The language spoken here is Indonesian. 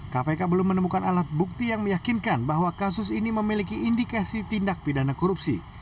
kpk belum menemukan alat bukti yang meyakinkan bahwa kasus ini memiliki indikasi tindak pidana korupsi